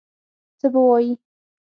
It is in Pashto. څه به وایي.